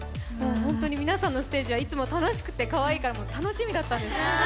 皆さんのステージはいつも楽しくてかわいいから楽しみだったんです。